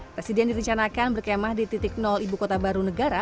presiden direncanakan berkemah di titik ibu kota baru negara